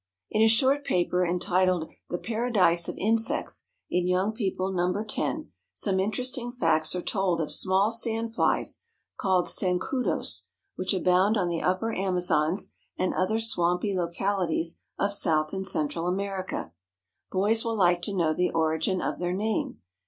In a short paper entitled "The Paradise of Insects," in Young People No. 10, some interesting facts are told of small sand flies, called sancudos, which abound on the Upper Amazons and other swampy localities of South and Central America. Boys will like to know the origin of their name.